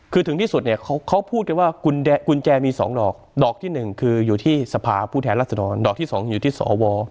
คือถึงที่สุดเนี่ยเขาพูดกันว่ากุญแจมี๒ดอกดอกที่๑คืออยู่ที่สภาผู้แทนรัศดรดอกที่๒อยู่ที่สว